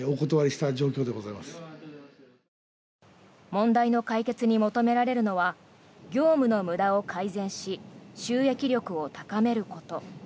問題の解決に求められるのは業務の無駄を改善し収益力を高めること。